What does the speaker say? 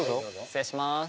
失礼します。